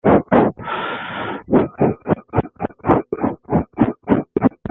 Il est aujourd'hui professeur émérite de l'université de Paris-I Panthéon-Sorbonne.